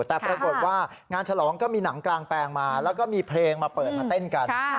แต่ปรากฏว่างานฉลองก็มีหนังกลางแปลงมาแล้วก็มีเพลงมาเปิดมาเต้นกัน